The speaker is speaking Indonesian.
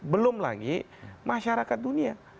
belum lagi masyarakat dunia